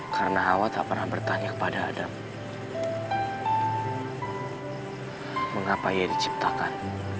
karena hawa tak pernah bertanya kepada adam mengapa ia diciptakan